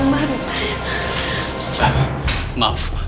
maaf ibu selamat